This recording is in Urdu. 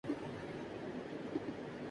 صرف تازہ پھل اور سبزیاں کھائیے